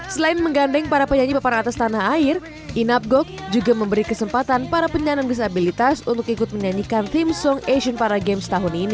selain menggandeng para penyanyi papan atas tanah air inapgok juga memberi kesempatan para penyanyi disabilitas untuk ikut menyanyikan theme song asian paragames